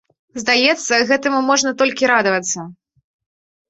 Здаецца, гэтаму можна толькі радавацца.